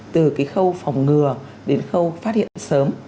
từ cái khâu phòng ngừa đến khâu phát hiện sớm